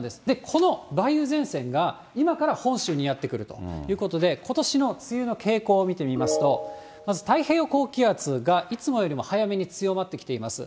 この梅雨前線が今から本州にやって来るということで、ことしの梅雨の傾向見てみますと、まず太平洋高気圧がいつもよりも早めに強まってきています。